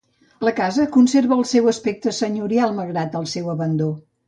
La casa conserva el seu aspecte senyorial malgrat el seu abandó.